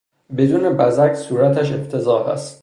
بدون بزک صورتش افتضاح است.